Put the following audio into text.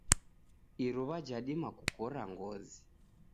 Iruwa jidima kukora ngozi.